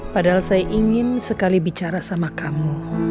padahal saya ingin sekali bicara sama kamu